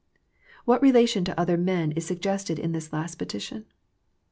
What relation to other men is suggested in this last petition?